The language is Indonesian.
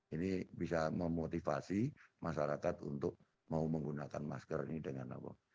ini bisa memotivasi masyarakat untuk mau menggunakan masker ini dengan apa